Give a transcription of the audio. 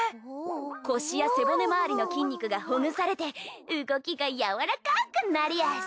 腰や背骨周りの筋肉がほぐされて動きがやわらかくなりやす。